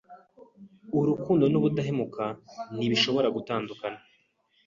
Urukundo n'ubudahemuka ntibishobora gutandukana.